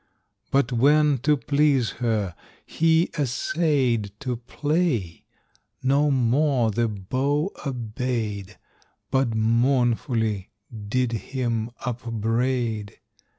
But when, to please her, he essayed To play, no more the bow obeyed, But mournfully did him upbraid.